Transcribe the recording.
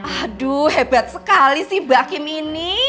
aduh hebat sekali sih mbak kim ini